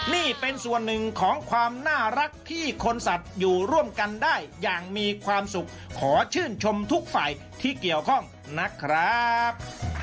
นี่เป็นส่วนหนึ่งของความน่ารักที่คนสัตว์อยู่ร่วมกันได้อย่างมีความสุขขอชื่นชมทุกฝ่ายที่เกี่ยวข้องนะครับ